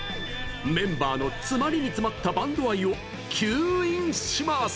メンバーの詰まりに詰まったバンド愛を吸引します！